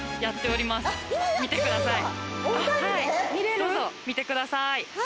どうぞ見てください。